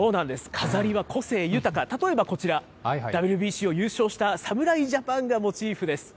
飾りは個性豊か、例えばこちら、ＷＢＣを優勝した侍ジャパンがモチーフです。